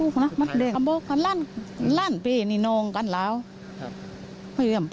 ก็มันน่าอย่างนั้นใช่ไหม